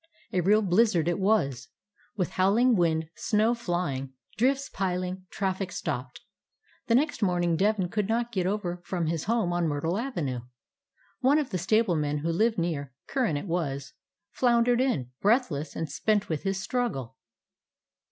A real blizzard it was, with wind howling, snow flying, drifts piling, traffic stopped. The next morning Devin could not get over from his home on Myrtle Avenue. One of the stable men who lived near — Curran it was — floundered in, breathless and spent with his struggle.